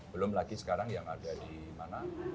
belum lagi sekarang yang ada di mana